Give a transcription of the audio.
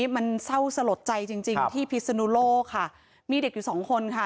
มันเศร้าสลดใจจริงจริงที่พิศนุโลกค่ะมีเด็กอยู่สองคนค่ะ